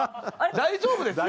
大丈夫ですか？